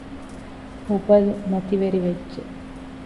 ހުބަލު މަތިވެރިވެއްޖެ